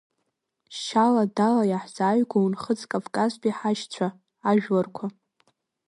Шьала-дала иаҳзааигәоу Нхыҵ-Кавказтәи ҳашьцәа, ажәларқәа…